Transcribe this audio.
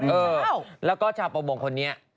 เออแล้วก็ชาวประมงคนนี้